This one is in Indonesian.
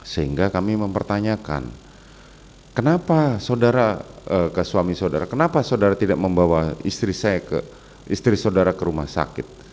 sehingga kami mempertanyakan kenapa saudara tidak membawa istri saudara ke rumah sakit